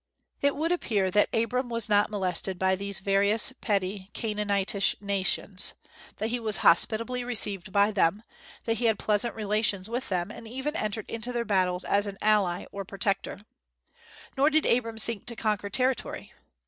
It would appear that Abram was not molested by these various petty Canaanitish nations, that he was hospitably received by them, that he had pleasant relations with them, and even entered into their battles as an ally or protector. Nor did Abram seek to conquer territory.